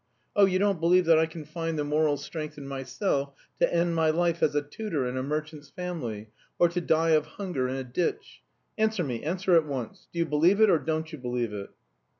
Oh, you don't believe that I can find the moral strength in myself to end my life as a tutor in a merchant's family, or to die of hunger in a ditch! Answer me, answer at once; do you believe it, or don't you believe it?"